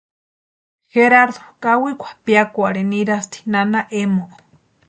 Garardu kawikwa piakwarhini nirasti nana Emoo.